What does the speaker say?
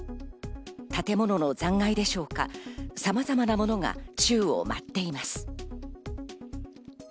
建物の残骸でしょうか、様々なものが宙を舞っています。